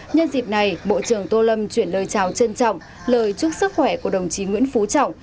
nhân dịp này bộ trưởng tô lâm chuyển lời chào trân trọng lời chúc sức khỏe của đồng chí nguyễn phú trọng